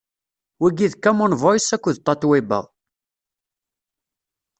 wigi d Common Voice akked Tatoeba.